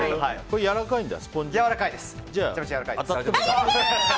やわらかいんだ。